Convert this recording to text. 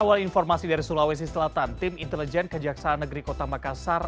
awal informasi dari sulawesi selatan tim intelijen kejaksaan negeri kota makassar